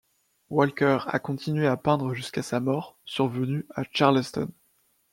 Walker a continué à peindre jusqu'à sa mort survenue à Charleston.